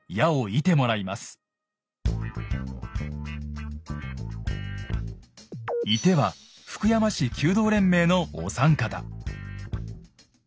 射手は福山市弓道連盟のお三方。